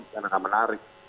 karena enggak menarik